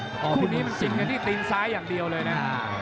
คู่นี้มันชิงกันที่ตีนซ้ายอย่างเดียวเลยนะ